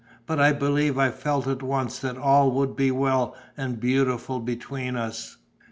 But I believe I felt at once that all would be well and beautiful between us...."